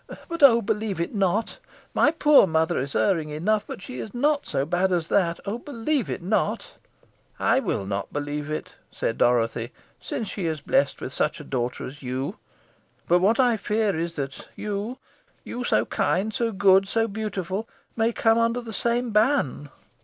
But oh, believe it not! My poor mother is erring enough, but she is not so bad as that. Oh, believe it not!" "I will not believe it," said Dorothy, "since she is blessed with such a daughter as you. But what I fear is that you you so kind, so good, so beautiful may come under the same ban."